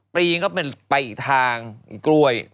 ปีนก็เป็นไปอีกทางกล้วย